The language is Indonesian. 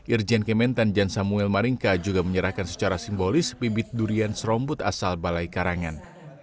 irjen kementan jan samuel maringka juga menyerahkan secara simbolis bibit durian serombut asal balai karangan